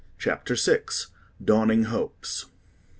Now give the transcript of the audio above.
CHAPTER VI. Dawning Hopes.